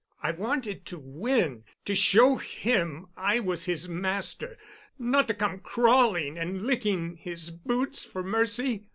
I wanted to win—to show him I was his master—not to come crawling and licking his boots for mercy.